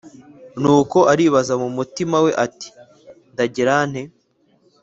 nuko aribaza mu mutima we ati Ndagira nte